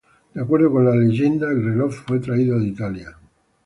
De acuerdo con la leyenda, el reloj fue traído de Italia.